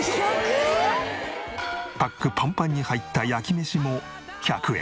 パックパンパンに入った焼き飯も１００円。